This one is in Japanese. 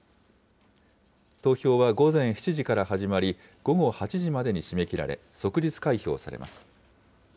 投票は午前７時から始まり、午後８時までに締め切られ、即日開票されます。